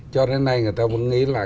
cho đến nay người ta vẫn nghĩ là